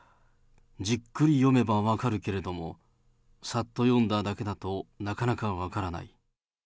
じっくり読めば分かるけれども、さっと読んだだけだとなかなか分からない。